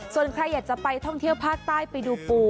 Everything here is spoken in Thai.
ส่วนใครอยากจะไปท่องเที่ยวภาคใต้ไปดูปู